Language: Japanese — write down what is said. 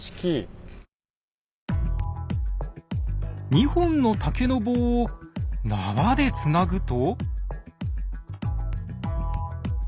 ２本の竹の棒を縄でつなぐと。